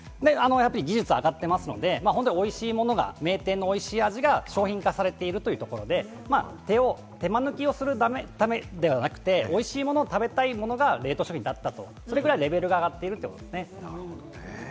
技術上がっていますので、おいしいものが名店のおいしい味が商品化されているというところで、手招きをするためではなくて、おいしいもの、食べたいものが冷凍食品になったと、それぐらいレベルが上がっているということです。